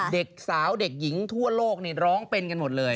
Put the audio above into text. เด็กสาวเด็กหญิงทั่วโลกนี่ร้องเป็นกันหมดเลย